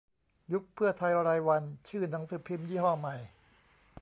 "ยุบเพื่อไทย รายวัน" ชื่อหนังสือพิมพ์ยี่ห้อใหม่